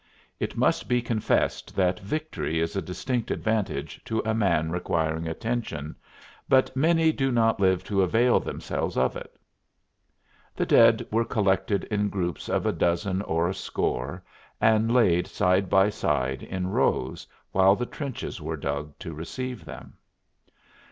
It must be confessed that victory is a distinct advantage to a man requiring attention, but many do not live to avail themselves of it. The dead were collected in groups of a dozen or a score and laid side by side in rows while the trenches were dug to receive them.